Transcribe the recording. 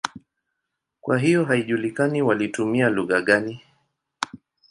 Kwa hiyo haijulikani walitumia lugha gani.